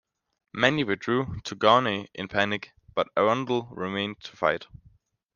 Many withdrew to Gournay in panic, but Arundel remained to fight.